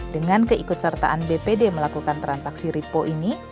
dengan keikutsertaan bpd melakukan transaksi repo ini